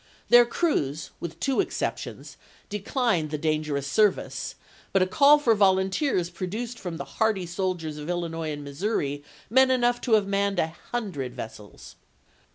Their crews, with two exceptions, declined the dangerous service, but a call for volunteers produced from the hardy soldiers of Illinois and Missouri men enough to have manned a hundred vessels.